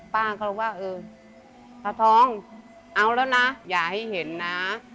ป้าก็เลยว่าเออตาทองเอาแล้วนะอย่าให้เห็นนะ